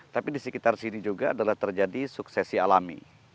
tapi di sekitar sini juga adalah terjadi suksesi alami